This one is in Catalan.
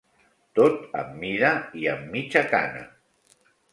Tot am mida i am mitja-cana